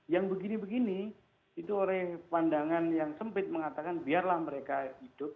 yang begini begini itu oleh pandangan yang sempit mengatakan biarlah mereka hidup